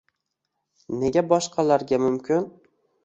Nega boshqalarga mumkin?